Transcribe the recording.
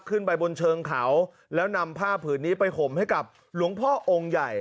ขึ้นไปบนเชิงเขาแล้วนำผ้าผืนนี้ไปห่มให้กับหลวงพ่อองค์ใหญ่